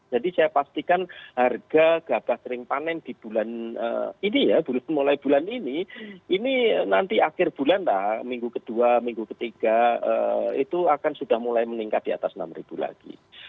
jadi saya pastikan harga gabah kering panen di bulan ini ya mulai bulan ini ini nanti akhir bulan minggu ke dua minggu ke tiga itu akan sudah mulai meningkat di atas rp enam lagi